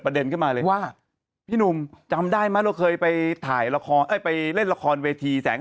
ขึ้นมาเลยว่าพี่หนุ่มจำได้ไหมเราเคยไปถ่ายละครไปเล่นละครเวทีแสง